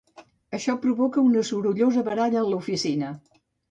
Això provoca una sorollosa baralla en l'oficina.